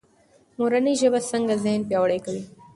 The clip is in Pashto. مورنۍ ژبه څنګه ذهن پیاوړی کوي؟